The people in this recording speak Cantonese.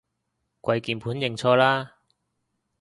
跪鍵盤認錯啦